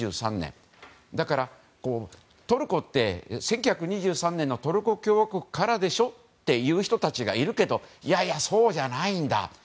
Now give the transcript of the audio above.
だから、トルコって１９２３年のトルコ共和国からでしょって言う人たちがいるけど、そうじゃないんだと。